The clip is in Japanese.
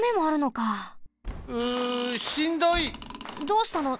どうしたの？